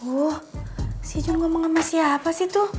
oh si cuma ngomong sama siapa sih tuh